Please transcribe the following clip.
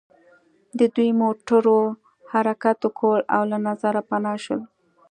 د دوی موټرو حرکت وکړ او له نظره پناه شول